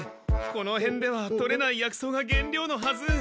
このへんではとれない薬草が原料のはず。